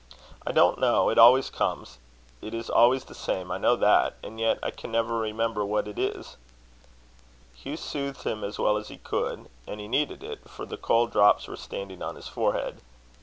"I don't know. It always comes. It is always the same. I know that. And yet I can never remember what it is." Hugh soothed him as well as he could; and he needed it, for the cold drops were standing on his forehead.